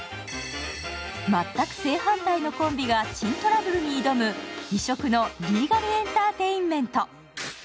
全く正反対のコンビが珍トラブルに挑む異色のリーガル・エンターテインメント。